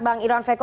bang irwan veko